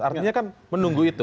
artinya kan menunggu itu